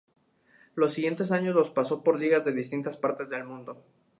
Los siguientes años los pasó por ligas de distintas partes del mundo.